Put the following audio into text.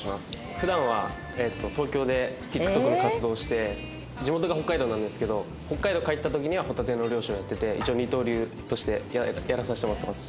普段は東京でＴｉｋＴｏｋの活動をして地元が北海道なんですけど北海道帰った時にはホタテの漁師をやってて一応二刀流としてやらさせてもらっています。